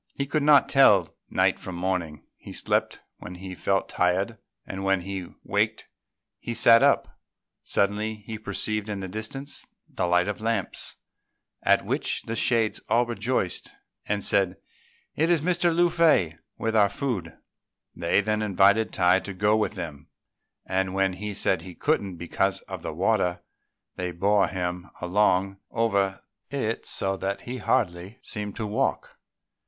He could not tell night from morning; he slept when he felt tired, and when he waked he sat up. Suddenly, he perceived in the distance the light of lamps, at which the shades all rejoiced, and said, "It is Mr. Lung fei with our food." They then invited Tai to go with them; and when he said he couldn't because of the water, they bore him along over it so that he hardly seemed to walk.